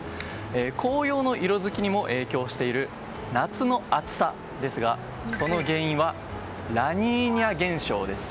紅葉の色づきにも影響している夏の暑さですがその原因は、ラニーニャ現象です。